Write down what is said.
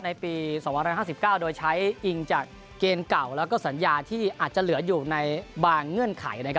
ในปี๒๕๙โดยใช้อิงจากเกณฑ์เก่าแล้วก็สัญญาที่อาจจะเหลืออยู่ในบางเงื่อนไข